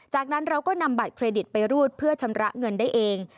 จากนั้นเราก็นำบัตรเครดิตไปรูดเพื่อชำระเงินได้เอง